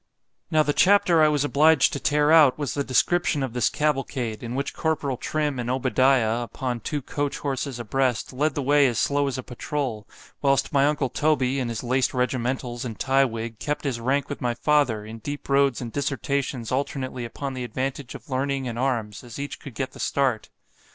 Now the chapter I was obliged to tear out, was the description of this cavalcade, in which Corporal Trim and Obadiah, upon two coach horses a breast, led the way as slow as a patrole——whilst my uncle Toby, in his laced regimentals and tye wig, kept his rank with my father, in deep roads and dissertations alternately upon the advantage of learning and arms, as each could get the start.